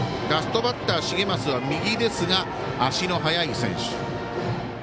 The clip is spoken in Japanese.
ラストバッター、重舛は右ですが足の速い選手。